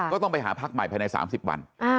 ก็ต้องไปหาพักใหม่ภายใน๓๐วัน